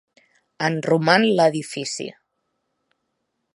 En roman l'edifici.